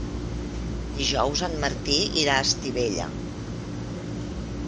Dijous en Martí irà a Estivella.